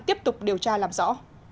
tiếp tục điều tra làm rõ